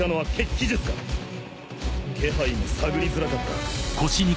気配も探りづらかった。